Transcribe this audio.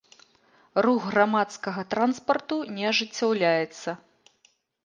Рух грамадскага транспарту не ажыццяўляецца.